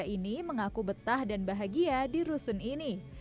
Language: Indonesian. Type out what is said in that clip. ini mengaku betah dan bahagia di rusun ini